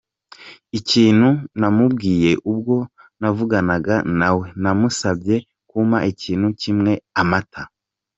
Ikintu namubwiye ubwo navuganaga na we namusabye kumpa ikintu kimwe: Amata.